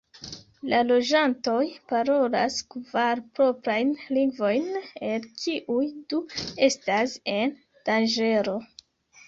La loĝantoj parolas kvar proprajn lingvojn, el kiuj du estas en danĝero.